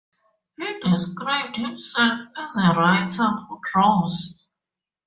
He described himself as "a writer who draws".